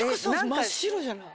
真っ白じゃない？